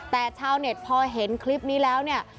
แต่ชาวเน็ตพอเห็นคลิปนี้แล้วเนี่ย